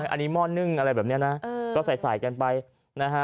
อันนี้ม่อนด์หนึ่งอะไรแบบเนี้ยนะเออก็ใส่กันไปนะคะ